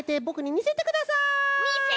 みせて！